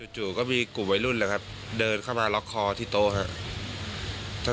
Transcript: จู่ก็มีกลุ่มวัยรุ่นแหละครับเดินเข้ามาล็อกคอที่โต๊ะครับ